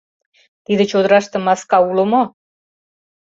— Тиде чодыраште маска уло мо?